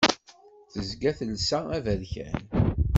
Tezga telsa aberkan.